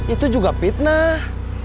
itu juga fitnah